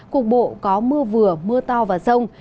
cục bộ có mưa vừa mưa to và rông